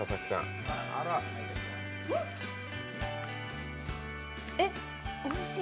うん、えっおいしい。